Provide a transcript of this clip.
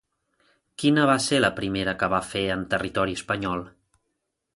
Quina va ser la primera que va fer en territori espanyol?